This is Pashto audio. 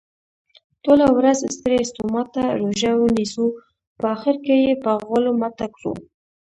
ټوله ورځ ستړي ستوماته روژه ونیسو په اخرکې یې په غولو ماته کړو.